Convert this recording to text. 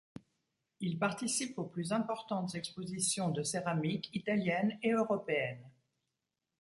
Il participe aux plus importantes expositions de céramique italiennes et européennes.